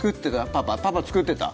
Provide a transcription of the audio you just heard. パパパパ作ってた？